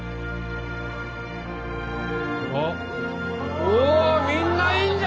あっおおみんないんじゃん！